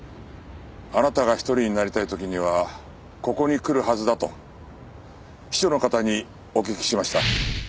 あなたが一人になりたい時にはここに来るはずだと秘書の方にお聞きしました。